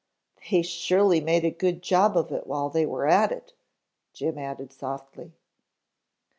"They surely made a good job of it while they were at it," Jim said softly.